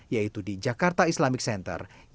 yaitu di jakarta islamik negeri